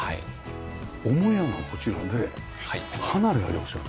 母屋がこちらで離れがありますよね。